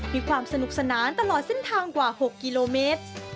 มีความสนุกสนานตลอดเส้นทางกว่า๖กิโลเมตร